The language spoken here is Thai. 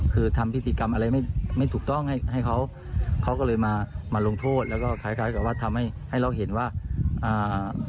คือทำพิธีกรรมอะไรไม่ไม่ถูกต้องให้ให้เขาเขาก็เลยมามาลงโทษแล้วก็คล้ายคล้ายกับว่าทำให้ให้เราเห็นว่าอ่า